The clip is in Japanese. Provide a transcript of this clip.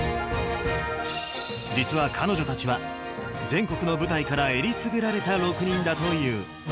実は彼女たちは、全国の部隊からえりすぐられた６人だという。